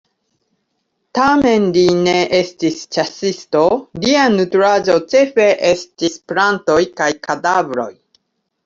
Tamen li ne estis ĉasisto, lia nutraĵo ĉefe estis plantoj kaj kadavroj.